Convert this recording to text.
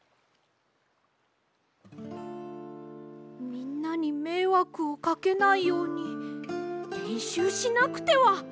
みんなにめいわくをかけないようにれんしゅうしなくては！